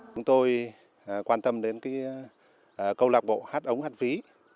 chúng tôi quan tâm đến câu lạc bộ hát ống hát ví